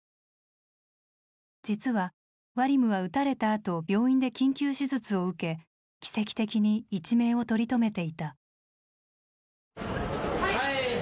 実はワリムは撃たれたあと病院で緊急手術を受け奇跡的に一命を取り留めていた。